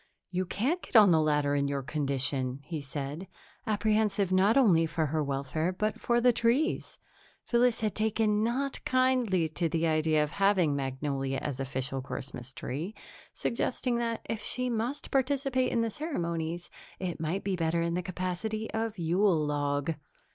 "You can't get on the ladder in your condition," he said, apprehensive not only for her welfare but for the tree's. Phyllis had not taken kindly to the idea of having Magnolia as official Christmas tree, suggesting that, if she must participate in the ceremonies, it might be better in the capacity of Yule log.